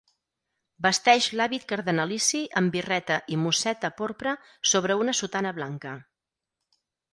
Vesteix l'hàbit cardenalici amb birreta i musseta porpra sobre una sotana blanca.